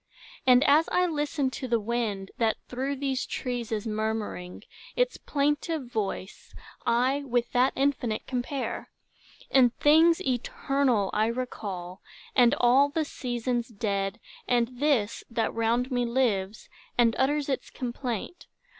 And as I listen to the wind, that through These trees is murmuring, its plaintive voice I with that infinite compare; And things eternal I recall, and all The seasons dead, and this, that round me lives, And utters its complaint.